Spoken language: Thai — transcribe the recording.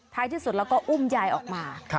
ที่สุดแล้วก็อุ้มยายออกมา